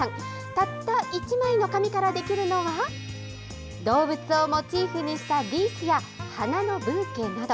たった１枚の紙からできるのは動物をモチーフにしたリースや花のブーケなど。